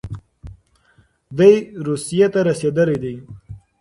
دی روسيې ته رسېدلی دی.